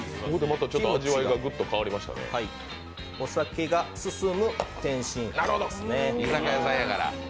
お酒が進む天津飯ですね。